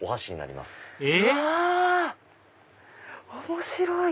面白い！